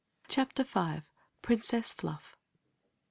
Chapter V. PRINCESS FLUFF.